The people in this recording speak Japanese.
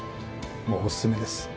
もうおすすめです！